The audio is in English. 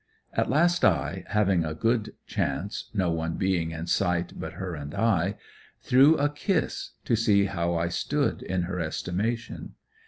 At last I, having a good chance, no one being in sight but her and I, threw a kiss, to see how I stood in her estimation.